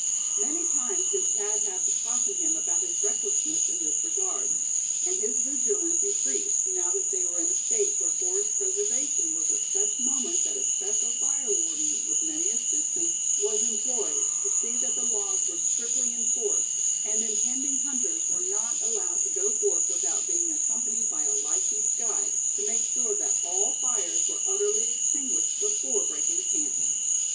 Many times did Thad have to caution him about his recklessness in this regard; and his vigilance increased, now that they were in a State where forest preservation was of such moment that a special fire warden, with many assistants, was employed, to see that the laws were strictly enforced; and intending hunters were not allowed to go forth without being accompanied by a licensed guide, to make sure that all fires were utterly extinguished before breaking camp.